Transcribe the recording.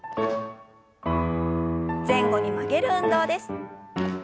前後に曲げる運動です。